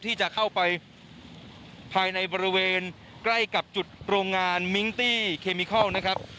ที่จะเข้าไปภายในบริเวณใกล้กับจุดโรงงานมิ้งตี้เคมิคอลนะครับ